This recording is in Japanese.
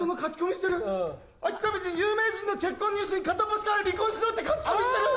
秋田美人有名人の結婚ニュースに片っ端から「離婚しろ」って書き込みしてる。